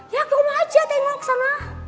ya ke rumah aja tengok sana